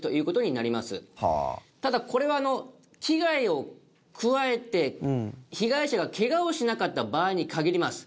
ただこれは危害を加えて被害者が怪我をしなかった場合に限ります。